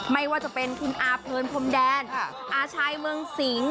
ไม่ว่าจะเป็นคุณอาเพลินพรมแดนอาชัยเมืองสิง